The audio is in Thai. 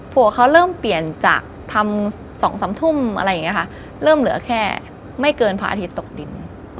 ผัวเขาเริ่มเปลี่ยนจากทำสองสามทุ่มเริ่มเหลือแค่ไม่เกินพระอาทิตย์ตกดิน